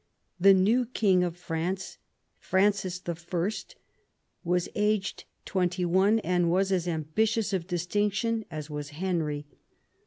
The new king of France, Francis I., was aged twenty one, and was as ambitious of distinction as was Henry.